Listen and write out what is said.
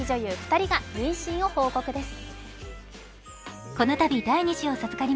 ２人が妊娠を報告です。